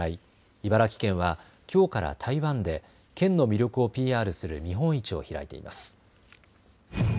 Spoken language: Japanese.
茨城県はきょうから台湾で県の魅力をＰＲする見本市を開いています。